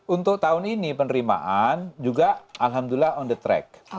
untuk tahun ini penerimaan juga alhamdulillah on the track